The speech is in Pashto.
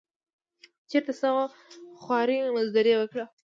چېرته څه خواري مزدوري وکړه.